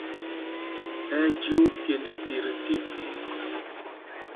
Ɛ́ ɛ́ jyuu pyēnd tit tí phe.